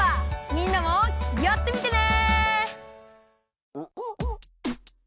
みんなもやってみてね！